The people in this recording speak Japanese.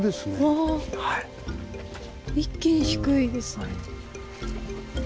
わあ一気に低いですね。